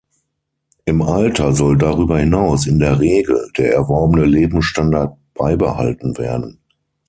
Im Alter soll darüber hinaus in der Regel der erworbene Lebensstandard beibehalten werden.